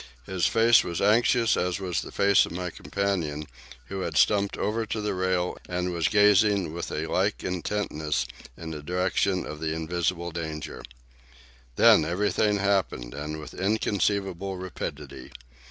His face was anxious, as was the face of my companion, who had stumped over to the rail and was gazing with a like intentness in the direction of the invisible danger. Then everything happened, and with inconceivable rapidity.